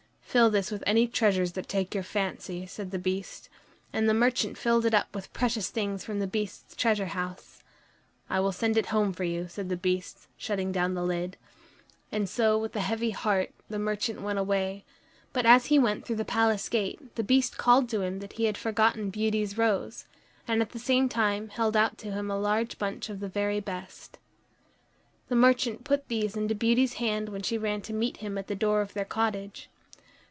"Fill this with any treasures that take your fancy," said the Beast. And the merchant filled it up with precious things from the Beast's treasure house. "I will send it home for you," said the Beast, shutting down the lid. And so, with a heavy heart, the merchant went away; but as he went through the palace gate, the Beast called to him that he had forgotten Beauty's rose, and at the same time held out to him a large bunch of the very best. The merchant put these into Beauty's hand when she ran to meet him at the door of their cottage.